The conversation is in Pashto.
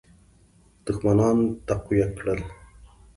دښمنان تقویه کړل.